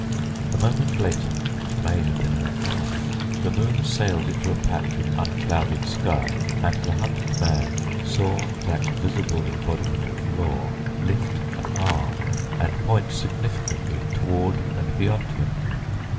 A moment later—it may have been an hour—the moon sailed into a patch of unclouded sky and the hunted man saw that visible embodiment of Law lift an arm and point significantly toward and beyond him.